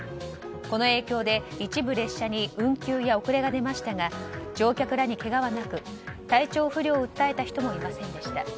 この影響で一部列車に運休や遅れが出ましたが乗客らにけがはなく体調不良を訴えた人もいませんでした。